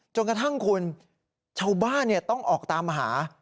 จนกระทั่งคุณชาวบ้านต้องออกตามหา